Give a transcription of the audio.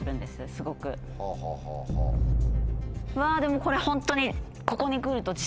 うわぁでもこれホントに。